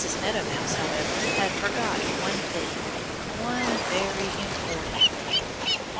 Meadow Mouse, however, had forgotten one thing one very important thing.